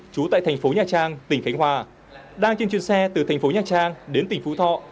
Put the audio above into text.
trú tại thành phố nhà trang tỉnh khánh hòa đang trên chuyến xe từ thành phố nhà trang đến tỉnh phú thọ